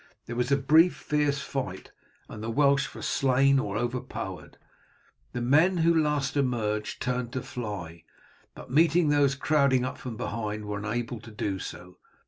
There was a brief fierce fight, and the Welsh were slain or overpowered. The men who last emerged turned to fly, but meeting those crowding up from behind were unable to do so.